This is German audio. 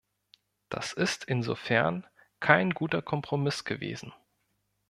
Das ist insofern kein guter Kompromiss gewesen.